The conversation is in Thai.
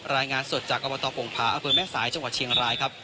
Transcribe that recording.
รายงานสดจากอบทฝงทราอฟเบอร์แม่สายถเฉียงรายครับ